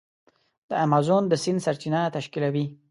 د امازون د سیند سرچینه تشکیلوي.